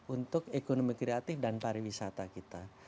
untuk ekonomi kreatif dan pariwisata kita